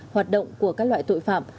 hoạt động của các loại tội phạm